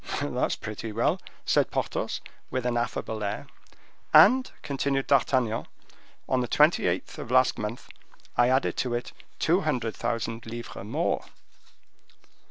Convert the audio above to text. "That's pretty well," said Porthos, with an affable air. "And," continued D'Artagnan, "on the twenty eighth of last month I added to it two hundred thousand livres more."